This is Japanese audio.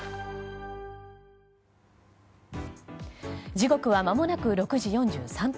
時刻はまもなく６時４３分。